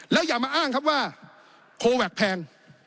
แล้วอย่ามาอ้างครับว่าโคแวคแพง